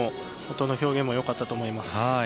音の表現もよかったと思います。